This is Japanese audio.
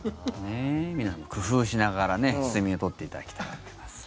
皆さん工夫しながら睡眠を取っていただきたいと思います。